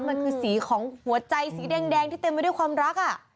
มันคือสีของหัวใจสีแดงที่เต็มไปด้วยความรัก